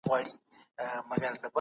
د ماشومانو ادب حساس کار دی.